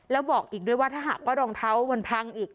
แล้วบอกอีกด้วยว่าถ้าหากว่ารองเท้ามันพังอีก